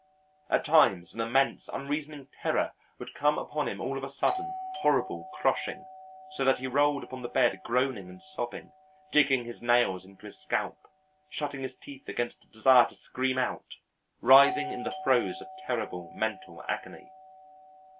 At times an immense unreasoning terror would come upon him all of a sudden, horrible, crushing, so that he rolled upon the bed groaning and sobbing, digging his nails into his scalp, shutting his teeth against a desire to scream out, writhing in the throes of terrible mental agony.